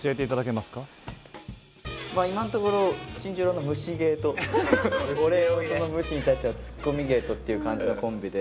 まあ今んところ新十郎の無視芸と俺その無視に対してはツッコミ芸とっていう感じのコンビで。